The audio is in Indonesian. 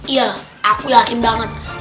iya aku yakin banget